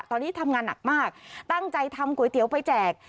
ตอนนี้ทำงานหนักมากตั้งใจทำก๋วยเตี๋ยวไปแจก